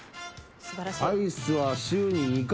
「アイスは週に２回！」